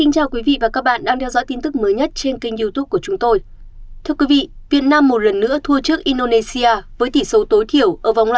các bạn hãy đăng ký kênh để ủng hộ kênh của chúng tôi nhé